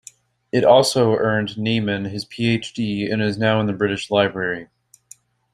It also earned Niemann his Ph.D. and is now in the British Library.